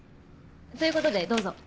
ということでどうぞ。